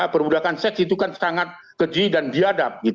perbudakan seks itu kan sangat keji dan biadab